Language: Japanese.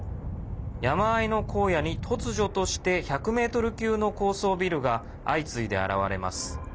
山あいの荒野に、突如として１００ｍ級の高層ビルが相次いで現れます。